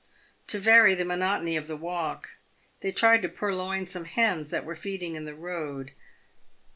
To vary the monotony of the walk, they tried to purloin some hens that were feeding in the road.